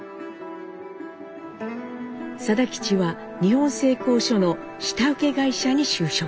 定吉は日本製鋼所の下請け会社に就職。